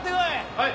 はい！